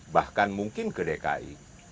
bahkan mungkin ke dki